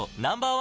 １